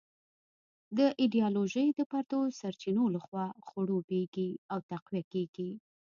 دا ایډیالوژي د پردو د سرچینو لخوا خړوبېږي او تقویه کېږي.